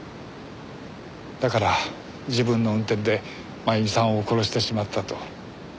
だから自分の運転で真由美さんを殺してしまったと思いたくなかった。